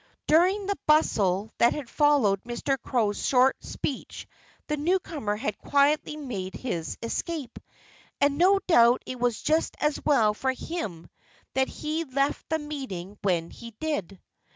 During the bustle that had followed Mr. Crow's short speech the newcomer had quietly made his escape. And no doubt it was just as well for him that he left the meeting when he did.